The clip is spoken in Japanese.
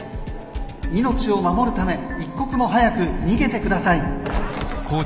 命を守るため一刻も早く逃げてください」。